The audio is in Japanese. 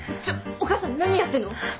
ちょっお母さん何やってんの？